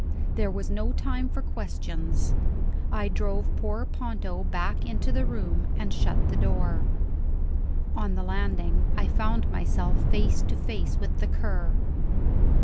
There was no time for questions; I drove poor Ponto back into the room, and shut the door. On the landing, I found myself face to face with the Cur.